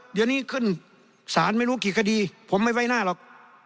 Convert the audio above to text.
เดี๋ยวนี้ขึ้นศาลไม่รู้กี่คดีผมไม่ไว้หน้าหรอก